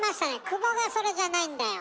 「くぼ」がそれじゃないんだよ。